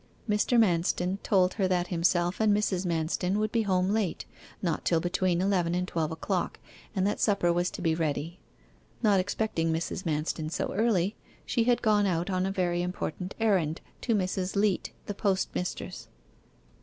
Mr. Manston told her that himself and Mrs. Manston would be home late, not till between eleven and twelve o'clock, and that supper was to be ready. Not expecting Mrs. Manston so early, she had gone out on a very important errand to Mrs. Leat the postmistress.